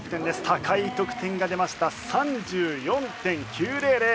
高い得点が出ました。３４．９００。